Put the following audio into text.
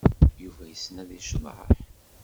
Yuba yessen ad yecḍeḥ?